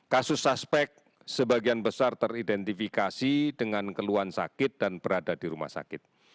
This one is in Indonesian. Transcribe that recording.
kasus suspek sebagian besar teridentifikasi dengan keluhan sakit dan berada di rumah sakit